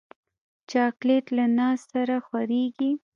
چاکلېټ له ناز سره خورېږي.